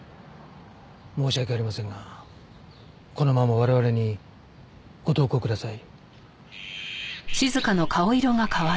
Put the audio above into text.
申し訳ありませんがこのまま我々にご同行ください。